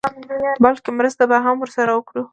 بلکې مرسته به هم ورسره وکړي.